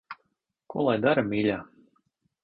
Ko lai dara, mīļā.